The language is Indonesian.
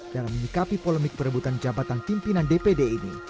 dalam menyikapi polemik perebutan jabatan pimpinan dpd ini